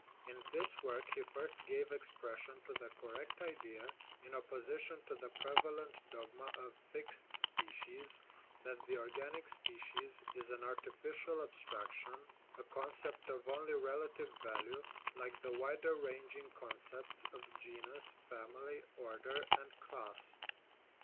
In this work he first gave expression to the correct idea, in opposition to the prevalent dogma of fixed species, that the organic " species " is an artificial abstraction, a concept of only relative value, like the wider ranging concepts of genus, family, order, and class.